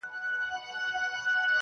o مينه مني ميني څه انكار نه كوي.